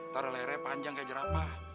taruh lerai panjang kayak jerapah